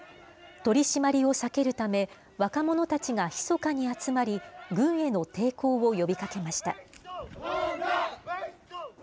取締りを避けるため、若者たちがひそかに集まり、軍への抵抗を呼びかけました。